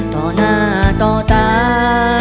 ต่อหน้าต่อตา